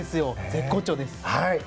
絶好調です。